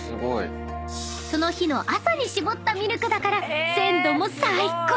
［その日の朝に搾ったミルクだから鮮度も最高！］